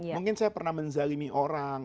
mungkin saya pernah menzalimi orang